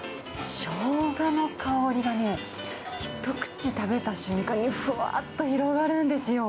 ショウガの香りがね、一口食べた瞬間にふわっと広がるんですよ。